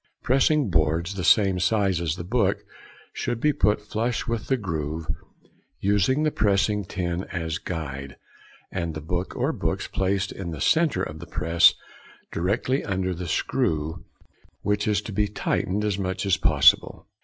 Pressing boards, the same size as the book, should be put flush with the groove, using the pressing tin as guide, and the book or books placed in the centre of the press directly under the screw, which is to be tightened as much as possible.